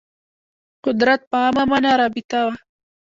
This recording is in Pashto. قدرت په عامه معنا رابطه وه